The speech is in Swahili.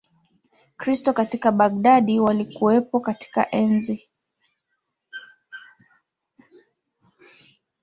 risto katika baghdad walikuwepo katika enzi